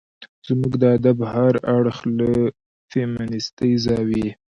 زموږ د ادب هر اړخ له فيمنستي زاويې